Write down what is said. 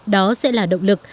đó sẽ là động lực